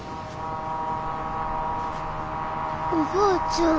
おばあちゃん。